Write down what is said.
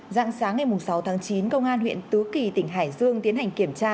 dạng sáng ngày sáu tháng chín công an huyện tứ kỳ tỉnh hải dương tiến hành kiểm tra